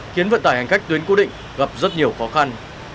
khiến vận tải hành khách tuyến cố định gặp rất nhiều khó khăn